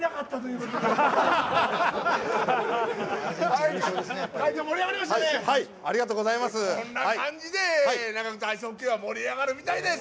こんな感じで長ぐつアイスホッケーは盛り上がるみたいです。